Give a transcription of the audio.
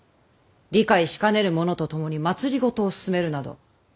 理解しかねる者と共に政を進めるなど私にはできかねる。